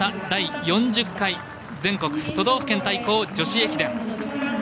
第４０回全国都道府県対抗女子駅伝。